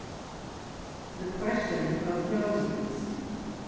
THE QUESTION OF NOSES.